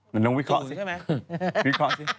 น้องวิเคราะห์สิ